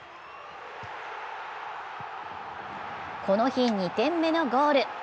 この日２点目のゴール。